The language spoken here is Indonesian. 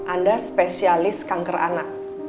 anda spesialis kanker anak